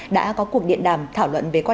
đã có cuộc điện đàm thảo luận về các nạn nhân